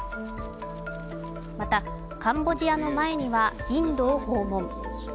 また、カンボジアの前にはインドを訪問。